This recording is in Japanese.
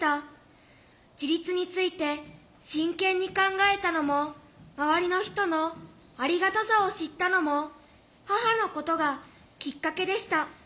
自立について真剣に考えたのも周りの人のありがたさを知ったのも母のことがきっかけでした。